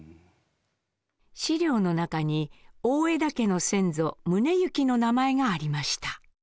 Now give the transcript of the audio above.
資料の中に大條家の先祖宗行の名前がありました。